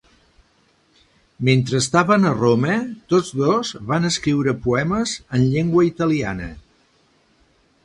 Mentre estaven a Roma, tots dos van escriure poemes en llengua italiana.